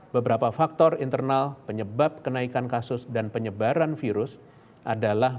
beberapa faktor internal penyebab kenaikan kasus dan penyebaran virus adalah